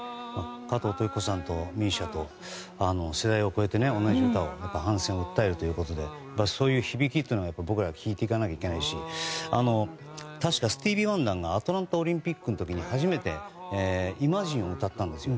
加藤登紀子さんとＭＩＳＩＡと世代を超えて同じ歌を反戦を訴えるということでそういう響きというのは僕らは聴いていかなきゃいけないし確か、スティービー・ワンダーがアトランタオリンピックで「イマジン」を歌ったんですよ。